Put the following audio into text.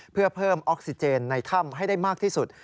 เพื่อเพิ่มออกซิเจนในถ้ำให้ได้มากที่สุด